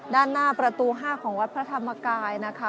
ด้านหน้าประตู๕ของวัดพระธรรมกายนะคะ